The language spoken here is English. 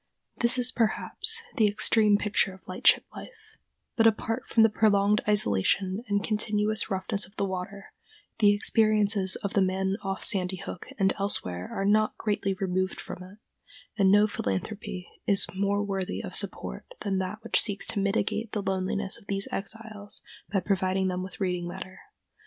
This is, perhaps, the extreme picture of lightship life, but apart from the prolonged isolation and continuous roughness of the water, the experiences of the men off Sandy Hook and elsewhere are not greatly removed from it, and no philanthropy is more worthy of support than that which seeks to mitigate the loneliness of these exiles by providing them with reading matter.